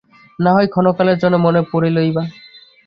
নাহয় ক্ষণকালের জন্য মনে পড়িলই বা।